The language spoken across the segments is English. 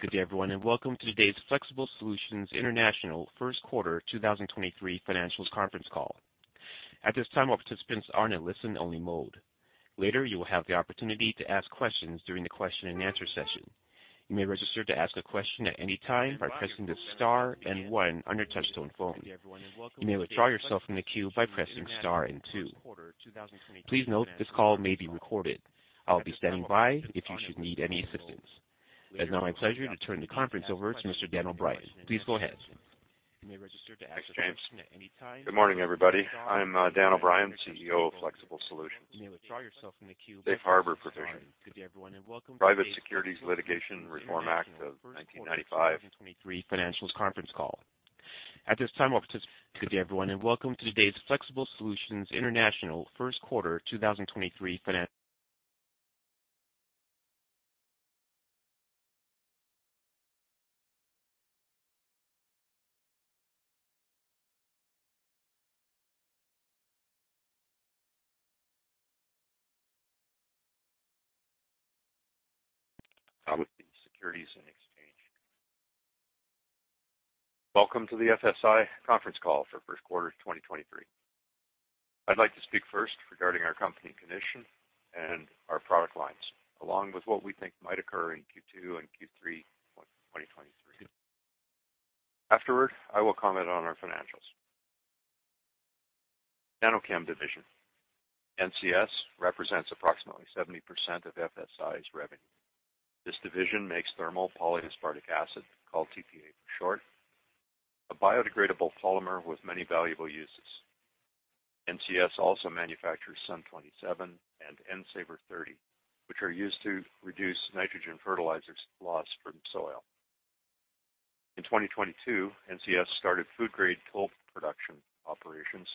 Good day, everyone, and welcome to today's Flexible Solutions International first quarter 2023 financials conference call. At this time, all participants are in a listen only mode. Later, you will have the opportunity to ask questions during the question and answer session. You may register to ask a question at any time by pressing the star one on your touchtone phone. You may withdraw yourself from the queue by pressing star two. Please note, this call may be recorded. I'll be standing by if you should need any assistance. It is now my pleasure to turn the conference over to Mr. Dan O'Brien. Please go ahead. Thanks, James. Good morning, everybody. I'm Dan O'Brien, CEO of Flexible Solutions. Safe harbor provision. Private Securities Litigation Reform Act of 1995. Good day, everyone, and welcome to today's Flexible Solutions International first quarter 2023 financials conference call. With the Securities and Exchange. Welcome to the FSI conference call for first quarter 2023. I'd like to speak first regarding our company condition and our product lines, along with what we think might occur in Q2 and Q3 2023. Afterward, I will comment on our financials. NanoChem division. NCS represents approximately 70% of FSI's revenue. This division makes thermal polyaspartic acid, called TPA for short, a biodegradable polymer with many valuable uses. NCS also manufactures SUN 27 and N Savr 30, which are used to reduce nitrogen fertilizer's loss from soil. In 2022, NCS started food grade toll production operations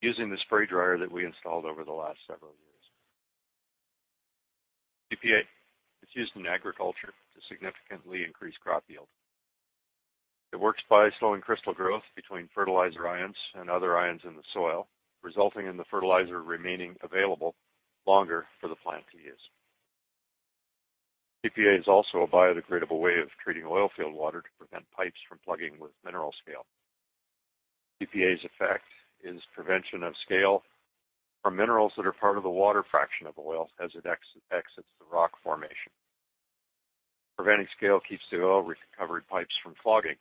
using the spray dryer that we installed over the last several years. TPA is used in agriculture to significantly increase crop yield. It works by slowing crystal growth between fertilizer ions and other ions in the soil, resulting in the fertilizer remaining available longer for the plant to use. TPA is also a biodegradable way of treating oil field water to prevent pipes from plugging with mineral scale. TPA's effect is prevention of scale from minerals that are part of the water fraction of oil as it exits the rock formation. Preventing scale keeps the oil recovery pipes from clogging.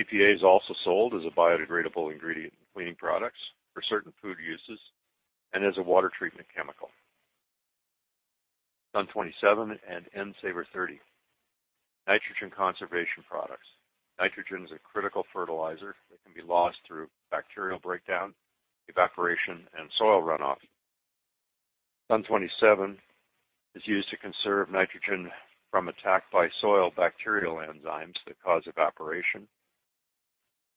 TPA is also sold as a biodegradable ingredient in cleaning products for certain food uses and as a water treatment chemical. SUN27 and N Savr 30, nitrogen conservation products. Nitrogen is a critical fertilizer that can be lost through bacterial breakdown, evaporation, and soil runoff. SUN27 is used to conserve nitrogen from attack by soil bacterial enzymes that cause evaporation.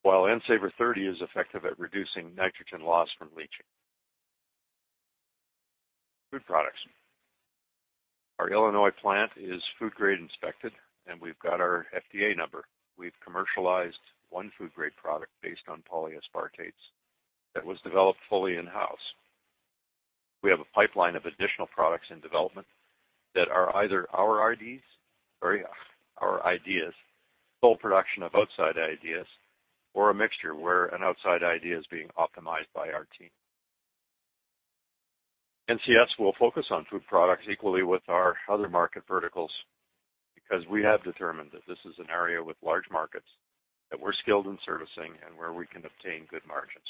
While N Savr 30 is effective at reducing nitrogen loss from leaching. Food products. Our Illinois plant is food grade inspected and we've got our FDA number. We've commercialized one food grade product based on polyaspartates that was developed fully in-house. We have a pipeline of additional products in development that are either our IDs or our ideas, co-production of outside ideas, or a mixture where an outside idea is being optimized by our team. NCS will focus on food products equally with our other market verticals because we have determined that this is an area with large markets that we're skilled in servicing and where we can obtain good margins.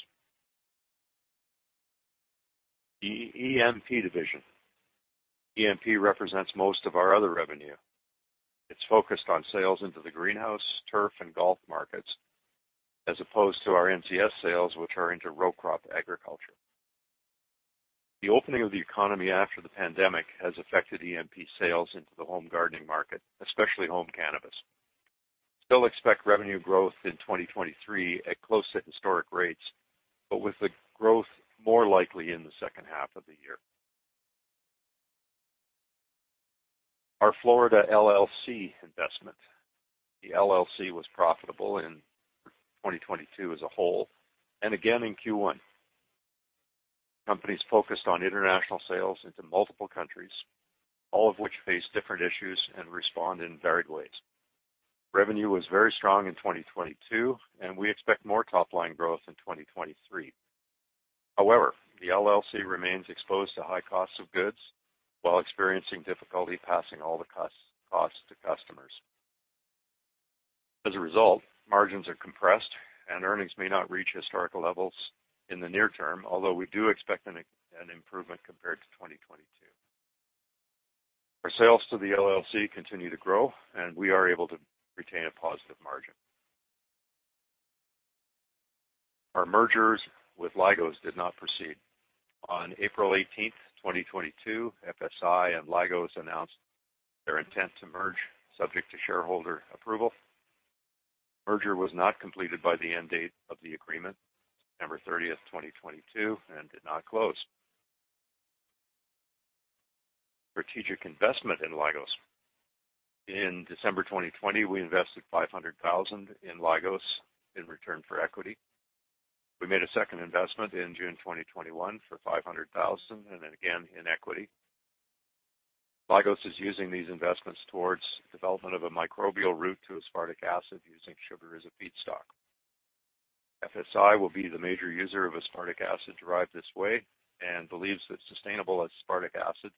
The ENP division. ENP represents most of our other revenue. It's focused on sales into the greenhouse, turf, and golf markets as opposed to our NCS sales, which are into row crop agriculture. The opening of the economy after the pandemic has affected ENP sales into the home gardening market, especially home cannabis. Still expect revenue growth in 2023 at close to historic rates, with the growth more likely in the second half of the year. Our Florida LLC investment, the LLC was profitable in 2022 as a whole and again in Q1. Company's focused on international sales into multiple countries, all of which face different issues and respond in varied ways. Revenue was very strong in 2022, we expect more top line growth in 2023. The LLC remains exposed to high costs of goods while experiencing difficulty passing all the costs to customers. Margins are compressed and earnings may not reach historical levels in the near term, although we do expect an improvement compared to 2022. Our sales to the LLC continue to grow, and we are able to retain a positive margin. Our mergers with Lygos did not proceed. On April 18, 2022, FSI and Lygos announced their intent to merge subject to shareholder approval. Merger was not completed by the end date of the agreement, December 30, 2022, did not close. Strategic investment in Lygos. In December 2020, we invested $500,000 in Lygos in return for equity. We made a second investment in June 2021 for $500,000 and then again in equity. Lygos is using these investments towards development of a microbial route to aspartic acid using sugar as a feedstock. FSI will be the major user of aspartic acid derived this way and believes that sustainable aspartic acid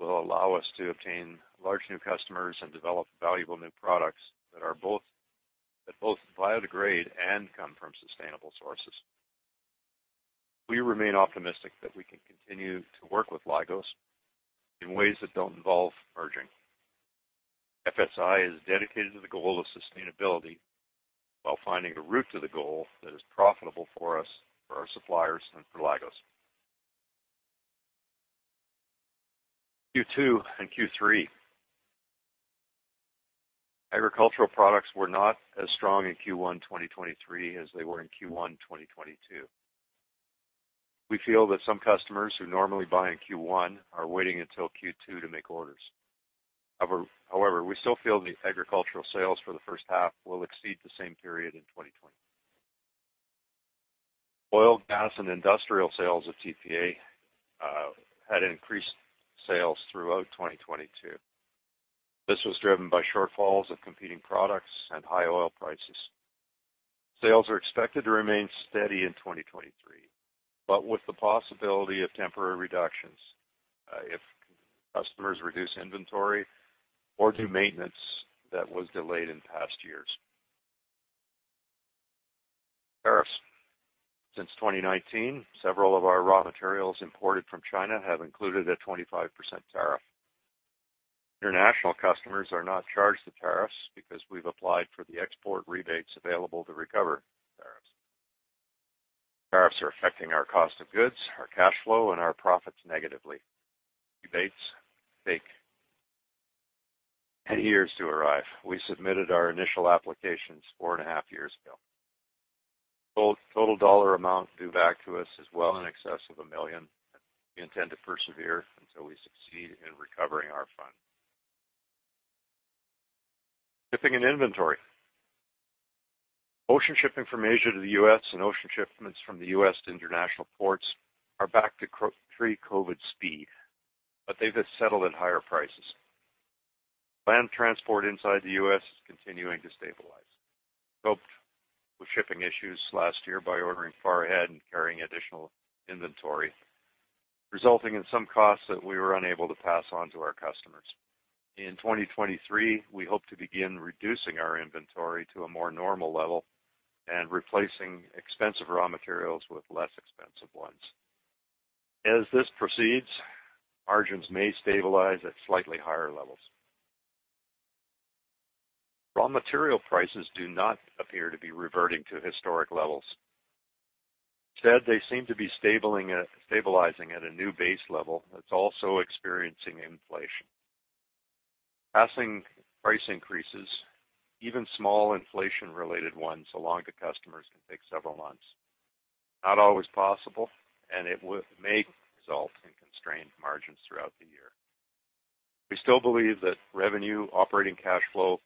will allow us to obtain large new customers and develop valuable new products that both biodegrade and come from sustainable sources. We remain optimistic that we can continue to work with Lygos in ways that don't involve merging. FSI is dedicated to the goal of sustainability while finding a route to the goal that is profitable for us, for our suppliers, and for Lygos. Q2 and Q3. Agricultural products were not as strong in Q1 2023 as they were in Q1 2022. We feel that some customers who normally buy in Q1 are waiting until Q2 to make orders. We still feel the agricultural sales for the first half will exceed the same period in 2020. Oil, gas, and industrial sales at TPA had increased sales throughout 2022. This was driven by shortfalls of competing products and high oil prices. Sales are expected to remain steady in 2023, but with the possibility of temporary reductions if customers reduce inventory or do maintenance that was delayed in past years. Tariffs. Since 2019, several of our raw materials imported from China have included a 25% tariff. International customers are not charged the tariffs because we've applied for the export rebates available to recover tariffs. Tariffs are affecting our cost of goods, our cash flow, and our profits negatively. Debates take 10 years to arrive. We submitted our initial applications 4 and a half years ago. Total dollar amount due back to us is well in excess of $1 million. We intend to persevere until we succeed in recovering our funds. Shipping and inventory. Ocean shipping from Asia to the U.S. and ocean shipments from the U.S. to international ports are back to pre-COVID speed, but they've been settled at higher prices. Land transport inside the U.S. is continuing to stabilize. Coped with shipping issues last year by ordering far ahead and carrying additional inventory, resulting in some costs that we were unable to pass on to our customers. In 2023, we hope to begin reducing our inventory to a more normal level and replacing expensive raw materials with less expensive ones. As this proceeds, margins may stabilize at slightly higher levels. Raw material prices do not appear to be reverting to historic levels. Instead, they seem to be stabilizing at a new base level that's also experiencing inflation. Passing price increases, even small inflation-related ones, along to customers can take several months. Not always possible, it may result in constrained margins throughout the year. We still believe that revenue, operating cash flow,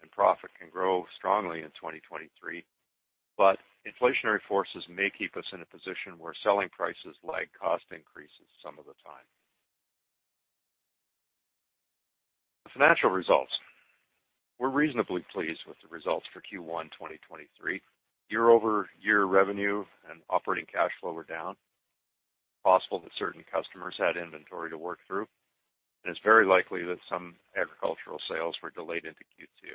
and profit can grow strongly in 2023. Inflationary forces may keep us in a position where selling prices lag cost increases some of the time. The financial results. We're reasonably pleased with the results for Q1 2023. Year-over-year revenue and operating cash flow were down. Possible that certain customers had inventory to work through. It's very likely that some agricultural sales were delayed into Q2.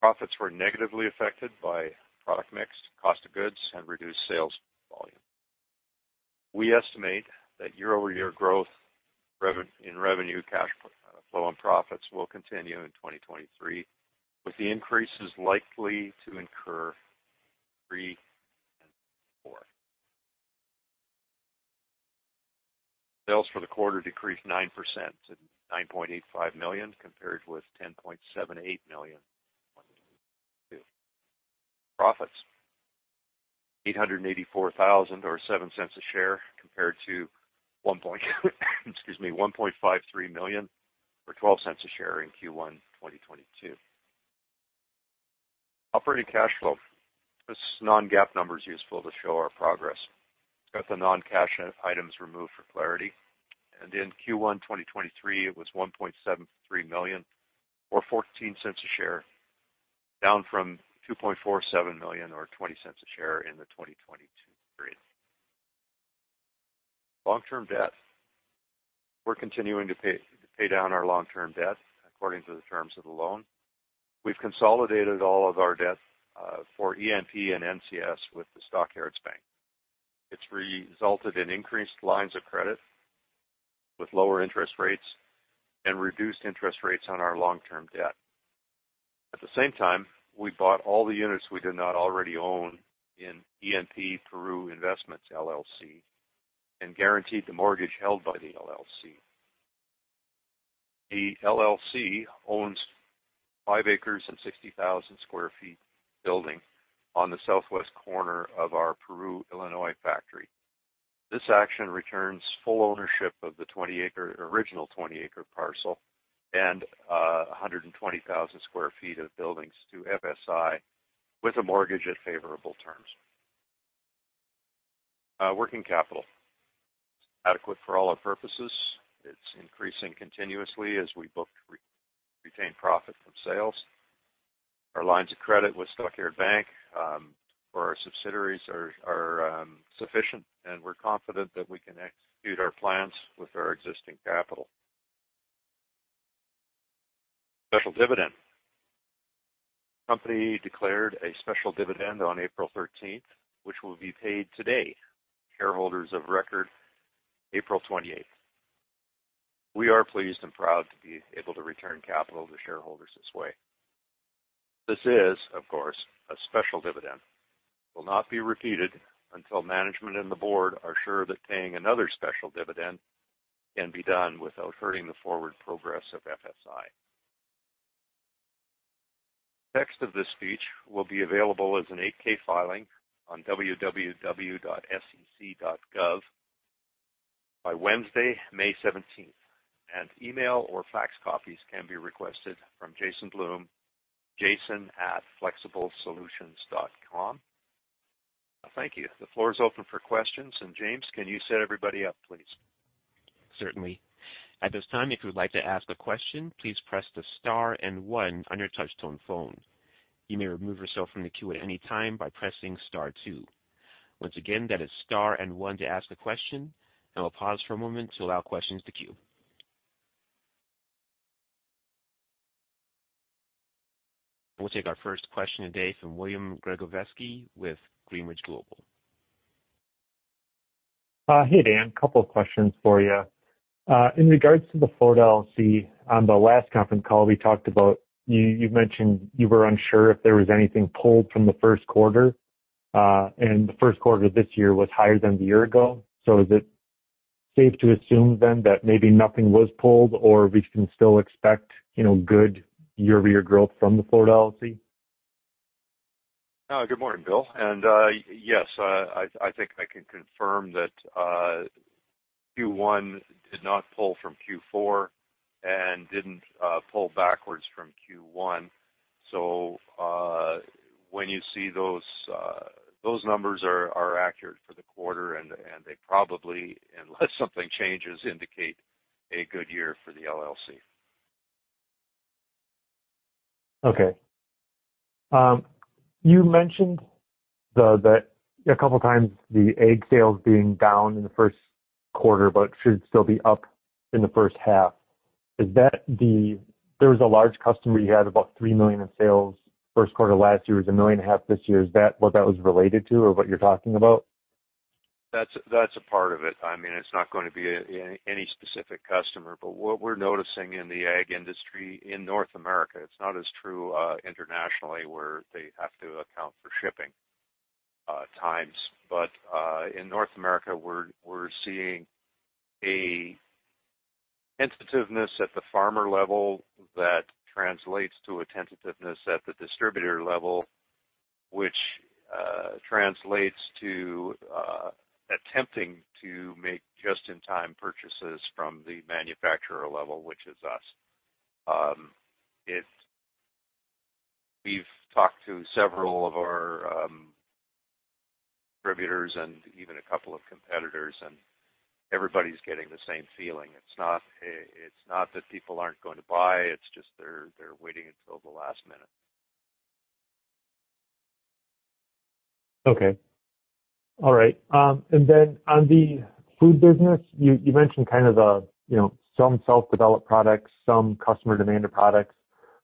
Profits were negatively affected by product mix, cost of goods, and reduced sales volume. We estimate that year-over-year growth in revenue, cash flow, and profits will continue in 2023, with the increases likely to incur Q3 and Q4. Sales for the quarter decreased 9% to $9.85 million, compared with $10.78 million in 2022. Profits: $884,000, or $0.07 a share, compared to $1.53 million, or $0.12 a share in Q1 2022. Operating cash flow. This non-GAAP number is useful to show our progress. Got the non-cash items removed for clarity. In Q1 2023, it was $1.73 million or $0.14 a share, down from $2.47 million or $0.20 a share in the 2022 period. Long-term debt. We're continuing to pay down our long-term debt according to the terms of the loan. We've consolidated all of our debt for E&P and NCS with the Stock Yards Bank. It's resulted in increased lines of credit with lower interest rates and reduced interest rates on our long-term debt. At the same time, we bought all the units we did not already own in ENP Peru Investments LLC and guaranteed the mortgage held by the LLC. The LLC owns five acres and 60,000 sq ft building on the southwest corner of our Peru, Illinois factory. This action returns full ownership of the 20 acre, original 20-acre parcel and 120,000 sq ft of buildings to FSI with a mortgage at favorable terms. Working capital. Adequate for all our purposes. It's increasing continuously as we book re-retain profit from sales. Our lines of credit with Stock Yards Bank for our subsidiaries are sufficient, and we're confident that we can execute our plans with our existing capital. Special dividend. Company declared a special dividend on April 13th, which will be paid today. Shareholders of record, April 28th. We are pleased and proud to be able to return capital to shareholders this way. This is, of course, a special dividend. Will not be repeated until management and the board are sure that paying another special dividend can be done without hurting the forward progress of FSI. Text of this speech will be available as an 8-K filing on www.sec.gov by Wednesday, May 17th and email or fax copies can be requested from Jason Bloom, jason@flexiblesolutions.com. Thank you. The floor is open for questions. James, can you set everybody up, please? Certainly. At this time, if you would like to ask a question, please press the star and one on your touch tone phone. You may remove yourself from the queue at any time by pressing star two. Once again, that is star and 1 to ask a question. I will pause for a moment to allow questions to queue. We'll take our first question today from William Gregozeski with Greenwich Global. Hey, Dan. Couple of questions for you. In regards to the Florida LLC, on the last conference call, we talked about... You mentioned you were unsure if there was anything pulled from the first quarter, and the first quarter this year was higher than the year ago. Is it safe to assume then that maybe nothing was pulled or we can still expect, you know, good year-over-year growth from the Florida LLC? Good morning, Bill. Yes, I think I can confirm that Q1 did not pull from Q4 and didn't pull backwards from Q1. When you see those numbers are accurate for the quarter, and they probably, unless something changes, indicate a good year for the LLC. You mentioned that a couple of times the ag sales being down in the first quarter, but should still be up in the first half. There was a large customer you had about $3 million in sales first quarter last year is $1 million and a half this year. Is that what that was related to or what you're talking about? That's a part of it. I mean, it's not going to be any specific customer. What we're noticing in the ag industry in North America, it's not as true internationally, where they have to account for shipping times. In North America, we're seeing a tentativeness at the farmer level that translates to a tentativeness at the distributor level, which translates to attempting to make just-in-time purchases from the manufacturer level, which is us. We've talked to several of our distributors and even a couple of competitors, and everybody's getting the same feeling. It's not that people aren't going to buy, it's just they're waiting until the last minute. Okay. All right. Then on the food business, you mentioned kind of the, you know, some self-developed products, some customer-demanded products.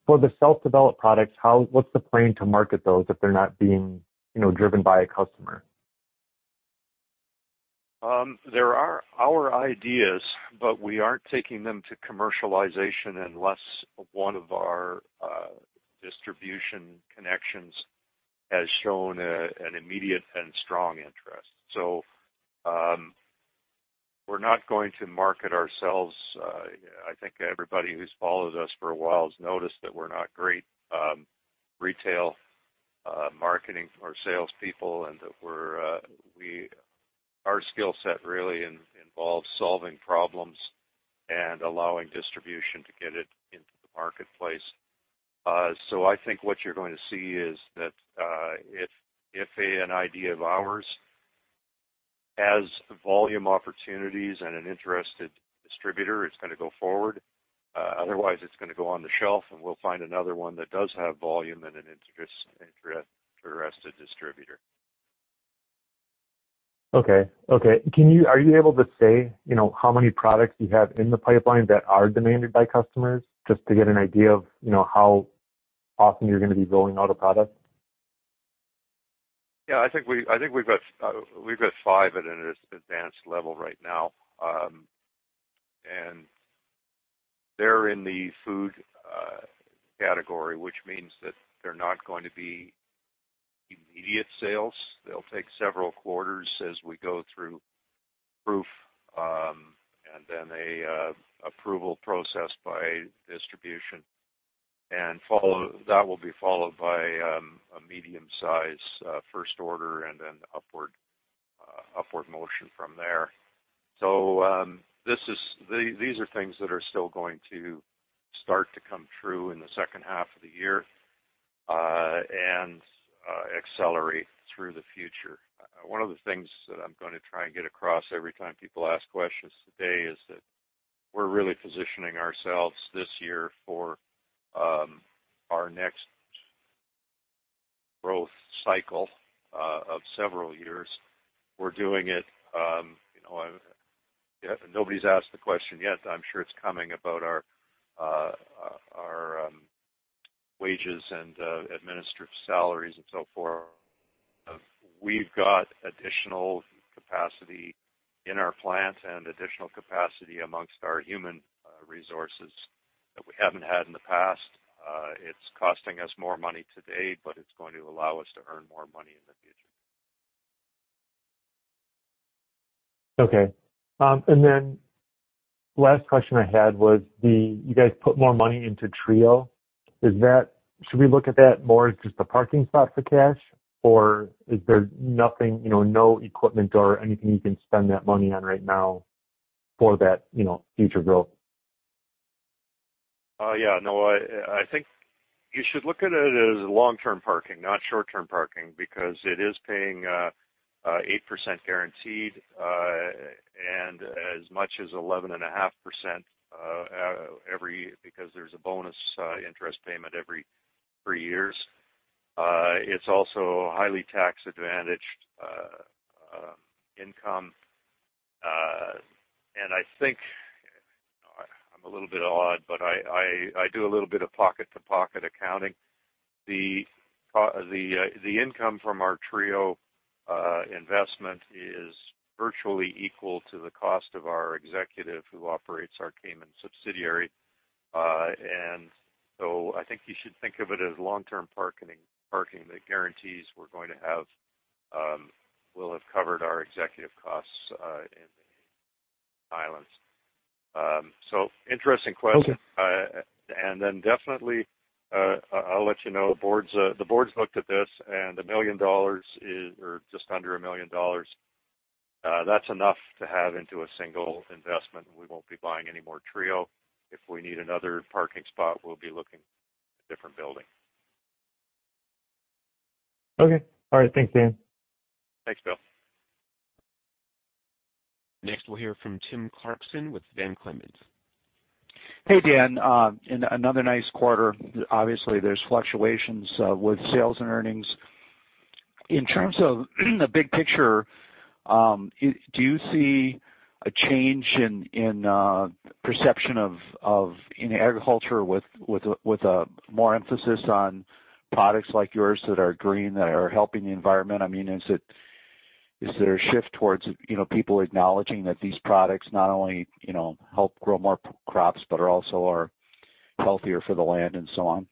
For the self-developed products what's the plan to market those if they're not being, you know, driven by a customer? There are our ideas, but we aren't taking them to commercialization unless one of our distribution connections has shown an immediate and strong interest. We're not going to market ourselves. I think everybody who's followed us for a while has noticed that we're not great retail marketing or salespeople and that we're our skill set really involves solving problems and allowing distribution to get it into the marketplace. I think what you're going to see is that if a an idea of ours has volume opportunities and an interested distributor, it's gonna go forward. Otherwise, it's gonna go on the shelf and we'll find another one that does have volume and an interested distributor. Okay. Okay. Are you able to say, you know, how many products you have in the pipeline that are demanded by customers just to get an idea of, you know, how often you're gonna be rolling out a product? I think we, I think we've got, we've got five at an as-advanced level right now. They're in the food category, which means that they're not going to be immediate sales. They'll take several quarters as we go through proof. Then an approval process by distribution. That will be followed by a medium-size first order and then upward motion from there. These are things that are still going to start to come true in the second half of the year and accelerate through the future. One of the things that I'm gonna try and get across every time people ask questions today is that we're really positioning ourselves this year for our next growth cycle of several years. We're doing it, you know, yeah nobody's asked the question yet. I'm sure it's coming about our wages and administrative salaries and so forth. We've got additional capacity in our plant and additional capacity amongst our human resources that we haven't had in the past. It's costing us more money today, but it's going to allow us to earn more money in the future. Okay. Last question I had was you guys put more money into Trio. Should we look at that more as just a parking spot for cash? Is there nothing, you know, no equipment or anything you can spend that money on right now for that, you know, future growth? Yeah, no, I think you should look at it as long-term parking, not short-term parking, because it is paying 8% guaranteed, and as much as 11.5% every year, because there's a bonus interest payment every three years. It's also highly tax-advantaged income. And I think, you know, I'm a little bit odd, but I, I do a little bit of pocket-to-pocket accounting. The income from our Trio investment is virtually equal to the cost of our executive who operates our Cayman subsidiary. I think you should think of it as long-term parking that guarantees we're going to have, we'll have covered our executive costs in the islands. Interesting question. Okay. Definitely, I'll let you know, the boards looked at this, $1 million is, or just under $1 million, that's enough to have into a single investment. We won't be buying any more Trio. If we need another parking spot, we'll be looking at a different building. Okay. All right. Thanks, Dan. Thanks, Bill. Next, we'll hear from Tim Clarkson with Van Clemens. Hey, Dan. another nice quarter. Obviously, there's fluctuations with sales and earnings. In terms of the big picture, do you see a change in perception of in agriculture with a more emphasis on products like yours that are green, that are helping the environment? I mean is there a shift towards, you know, people acknowledging that these products not only, you know, help grow more crops but are also are healthier for the land and so on?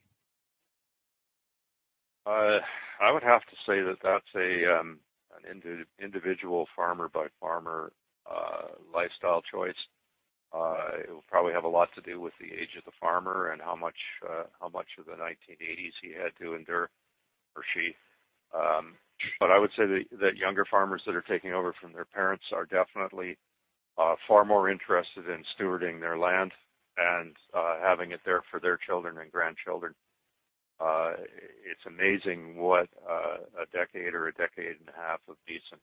I would have to say that that's an individual farmer by farmer lifestyle choice. It will probably have a lot to do with the age of the farmer and how much how much of the 1980s he had to endure, or she. I would say that younger farmers that are taking over from their parents are definitely far more interested in stewarding their land and having it there for their children and grandchildren. It's amazing what a decade or a decade and a half of decent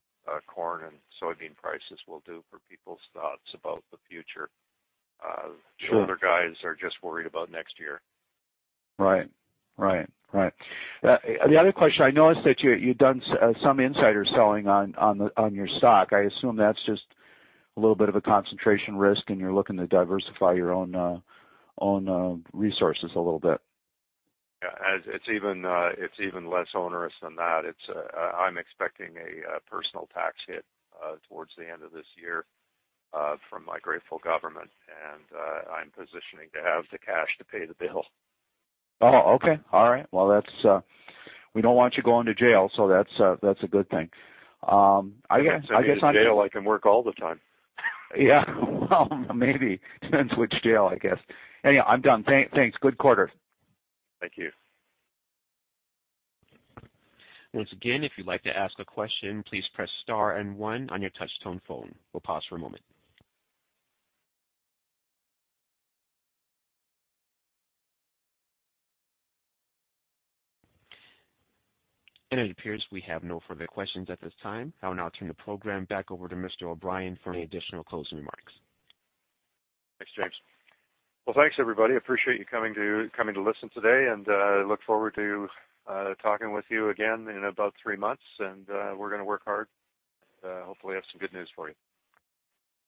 corn and soybean prices will do for people's thoughts about the future. Sure. The older guys are just worried about next year. Right. The other question, I noticed that you've done some insider selling on the - on your stock. I assume that's just a little bit of a concentration risk, and you're looking to diversify your own resources a little bit. Yeah. It's even, it's even less onerous than that. It's - I'm expecting a personal tax hit towards the end of this year from my grateful government and I'm positioning to have the cash to pay the bill. Oh, okay. All right. That's - we don't want you going to jail, so that's a good thing. I guess. If I go to jail, I can work all the time. Yeah. Well, maybe. Depends which jail, I guess. Anyhow, I'm done. Thanks. Good quarter. Thank you. Once again, if you'd like to ask a question please press star and one on your touch tone phone. We'll pause for a moment. It appears we have no further questions at this time. I will now turn the program back over to Mr. O'Brien for any additional closing remarks. Thanks, James. Well thanks, everybody. Appreciate you coming to listen today, look forward to talking with you again in about three months. We're gonna work hard. Hopefully have some good news for you.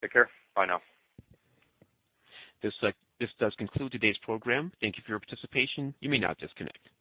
Take care. Bye now. This does conclude today's program. Thank you for your participation. You may now disconnect.